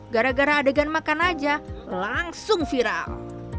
gara gara adegan makan aja langsung viral